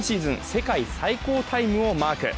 世界最高タイムをマーク。